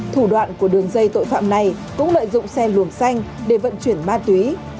thủ đoạn của đường dây tội phạm này cũng lợi dụng xe luồng xanh để vận chuyển ma túy